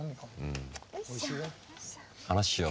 おいしいよ。